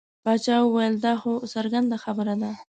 باچا وویل دا خو څرګنده خبره ده.